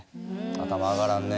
頭上がらんね。